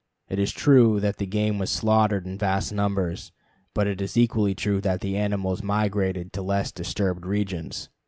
It is true that the game was slaughtered in vast numbers, but it is equally true that the animals migrated to less disturbed regions.